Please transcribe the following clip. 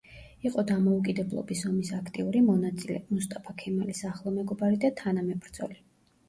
იყო დამოუკიდებლობის ომის აქტიური მონაწილე, მუსტაფა ქემალის ახლო მეგობარი და თანამებრძოლი.